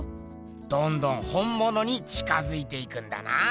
どんどん本ものに近づいていくんだな。